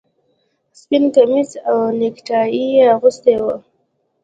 سپین کمیس او نیکټايي یې اغوستي وو